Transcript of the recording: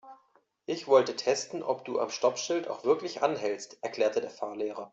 Ich wollte testen, ob du am Stoppschild auch wirklich anhältst, erklärte der Fahrlehrer.